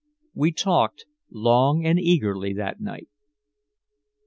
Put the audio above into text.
We talked long and eagerly that night.